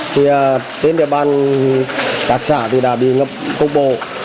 thì tên địa bàn các xã đã đi ngập công bộ